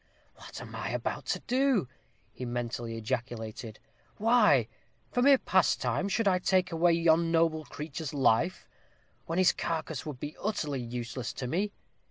"What am I about to do?" he mentally ejaculated. "Why, for mere pastime, should I take away yon noble creature's life, when his carcass would be utterly useless to me?